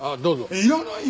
いらないよ